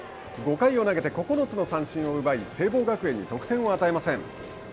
５回を投げて９つの三振を奪い聖望学園に得点を与えません。